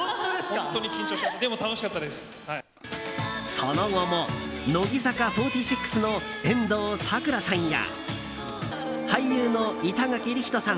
その後も乃木坂４６の遠藤さくらさんや俳優の板垣李光人さん